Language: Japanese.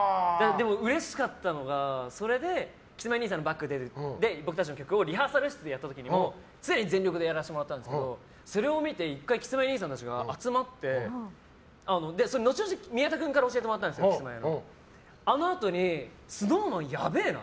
でもうれしかったのがそれでキスマイ兄さんのバックで僕たちの曲をリハーサル室でやった時に常に全力でやらせてもらったんですけどそれを見て、１回キスマイ兄さんたちが集まって後々、宮田君から教えてもらったんですけどあのあとにＳｎｏｗＭａｎやべえな。